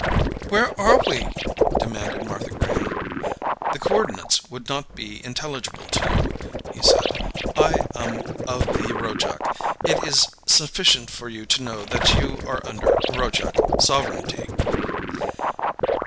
"Where are we?" demanded Martha Graham. "The coordinates would not be intelligible to you," he said. "I am of the Rojac. It is sufficient for you to know that you are under Rojac sovereignty."